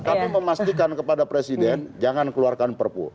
kami memastikan kepada presiden jangan keluarkan perpu